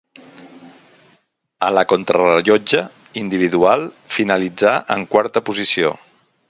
A la contrarellotge individual finalitzà en quarta posició.